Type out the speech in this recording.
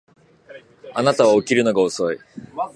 あなたは起きるのが遅い